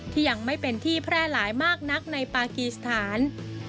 ที่ยังไม่เป็นที่แพร่หลายมากนักในปากีสถาน